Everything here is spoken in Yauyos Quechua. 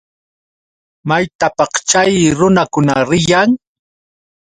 ¿Maytataq chay runakuna riyan?